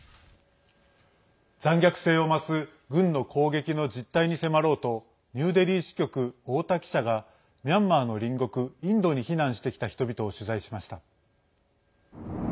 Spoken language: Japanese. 残虐性を増す軍の攻撃の実態に迫ろうとニューデリー支局、太田記者がミャンマーの隣国インドに避難してきた人々を取材しました。